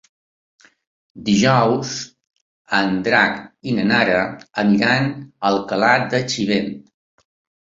Dijous en Drac i na Nara aniran a Alcalà de Xivert.